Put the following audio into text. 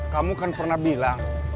kamu kan pernah bilang